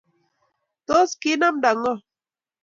tos ki inaamta ng'o?